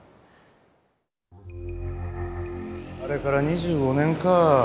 あれから２５年か。